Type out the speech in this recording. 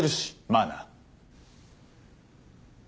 まあな。